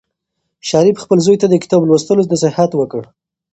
شریف خپل زوی ته د کتاب لوستلو نصیحت وکړ.